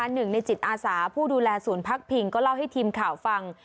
หนึ่งในจิตอาสาผู้ดูแลศูนย์พักพิงก็เล่าให้ทีมข่าวฟัง